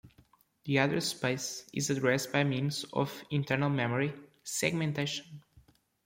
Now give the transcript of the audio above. This address space is addressed by means of internal memory "segmentation".